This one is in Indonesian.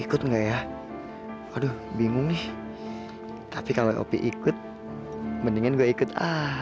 ikut enggak ya aduh bingung nih tapi kalau opikut mendingan gue ikut ah